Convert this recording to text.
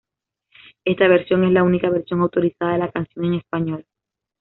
Esta versión es la única versión autorizada de la canción en español.